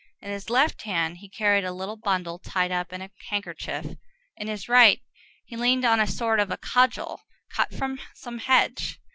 In his left hand he carried a little bundle tied up in a handkerchief; in his right he leaned on a sort of a cudgel, cut from some hedge.